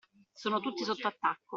Sono tutti sotto attacco.